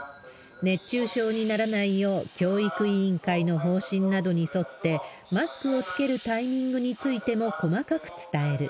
熱中症にならないよう、教育委員会の方針などに沿って、マスクを着けるタイミングについても細かく伝える。